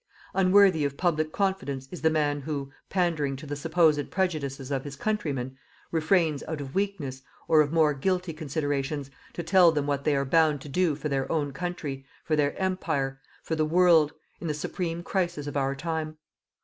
Unworthy of public confidence is the man who, pandering to the supposed prejudices of his countrymen, refrains out of weakness, or of more guilty considerations, to tell them what they are bound to do for their own country, for their Empire, for the world, in the supreme crisis of our time.